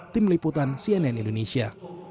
tim liputan cnn indonesia